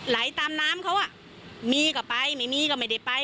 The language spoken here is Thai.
ไหลตามน้ำเขาอ่ะมีก็ไปไม่มีก็ไม่ได้ไป